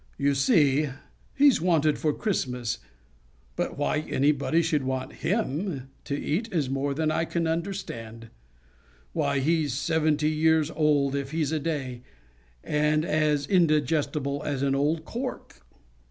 You see, he's wanted for Christmas, but why anybody should want him to eat is more than I can understand. Why, he's seventy years old if he's a day, and as indigestible as an old cork."